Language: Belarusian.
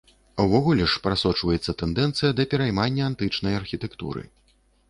Увогуле ж, прасочваецца тэндэнцыя да пераймання антычнай архітэктуры.